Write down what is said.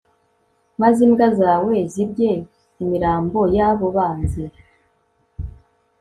maze imbwa zawe zirye imirambo y'abo banzi